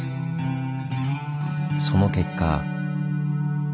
その結果。